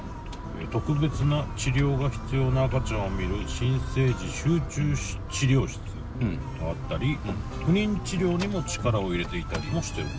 特別な治療が必要な赤ちゃんを見る新生児集中治療室があったり不妊治療にも力を入れていたりもしてる。